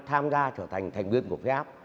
tham gia trở thành thành viên của phía áp